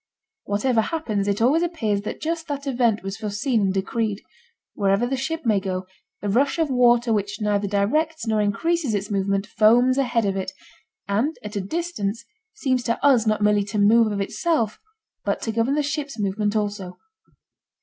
Whatever happens it always appears that just that event was foreseen and decreed. Wherever the ship may go, the rush of water which neither directs nor increases its movement foams ahead of it, and at a distance seems to us not merely to move of itself but to govern the ship's movement also.